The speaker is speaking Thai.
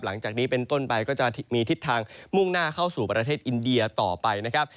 หลังจากนี้เป็นต้นไปก็จะมีทิศทางมุ่งหน้าเข้าสู่ประเทศอินเดียต่อไปนะครับ